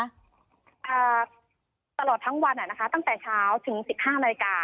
อ่าตลอดทั้งวันตั้งแต่เช้าถึง๑๕นาฬิกา